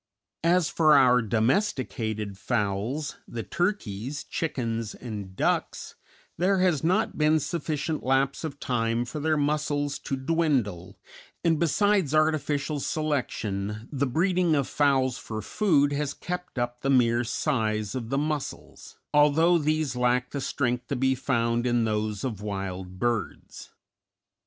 As for our domesticated fowls the turkeys, chickens, and ducks there has not been sufficient lapse of time for their muscles to dwindle, and besides artificial selection, the breeding of fowls for food has kept up the mere size of the muscles, although these lack the strength to be found in those of wild birds.